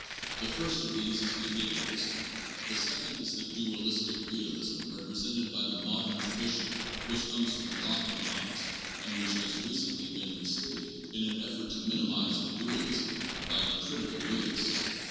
The first of these is behaviorism ; the second is a dualistic realism represented by the modern tradition which comes from Locke and Kant, and which has recently been restated, in an effort to mini mize the dualism, by the "critical realists."